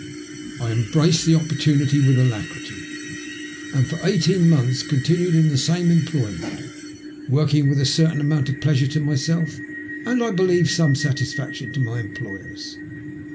I embraced the opportunity with alacrity, and for eighteen months continued in the same employment, working with a certain amount of pleasure to myself, and, I believe, some satisfaction to my employers.